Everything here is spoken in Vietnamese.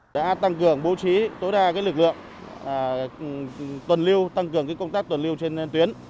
đã tăng cường bố trí tối đa lực lượng tuần lưu tăng cường công tác tuần lưu trên tuyến